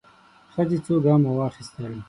ښځې څو ګامه واخيستل.